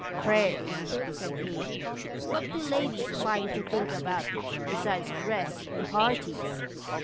"Pray," said he, "what do ladies find to think about besides dress and parties?"